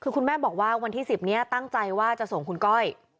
คือคุณแม่บอกว่าวันที่๑๐นี้ตั้งใจว่าจะส่งคุณก้อย